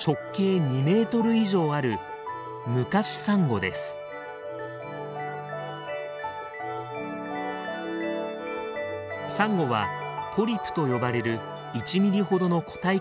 直径２メートル以上あるサンゴは「ポリプ」と呼ばれる１ミリほどの個体からできています。